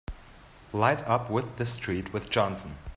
Light up with the street with Johnson!